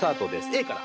Ａから。